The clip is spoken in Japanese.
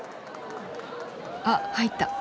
あっ入った。